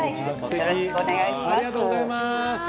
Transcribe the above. よろしくお願いします。